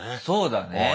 そうだね。